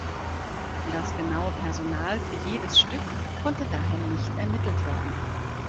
Das genaue Personal für jedes Stück konnte daher nicht ermittelt werden.